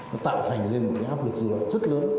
nó tạo thành lên một áp lực dư lợi rất lớn